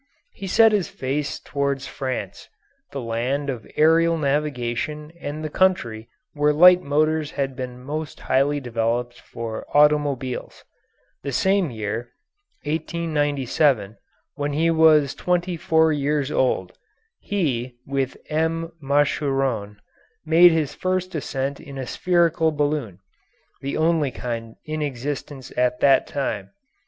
He set his face toward France, the land of aerial navigation and the country where light motors had been most highly developed for automobiles. The same year, 1897, when he was twenty four years old, he, with M. Machuron, made his first ascent in a spherical balloon, the only kind in existence at that time.